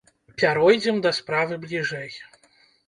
Пяройдзем да справы бліжэй.